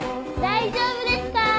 大丈夫ですよ。